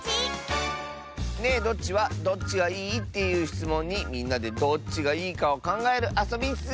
「ねえどっち？」は「どっちがいい？」っていうしつもんにみんなでどっちがいいかをかんがえるあそびッス。